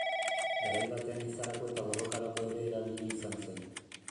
Garai batean ehizarako eta borrokarako ere erabili izan zen.